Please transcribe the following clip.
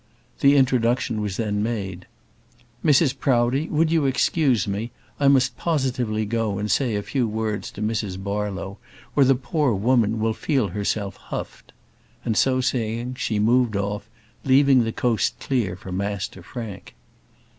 The introduction was then made. "Mrs Proudie, would you excuse me? I must positively go and say a few words to Mrs Barlow, or the poor woman will feel herself huffed;" and, so saying, she moved off, leaving the coast clear for Master Frank.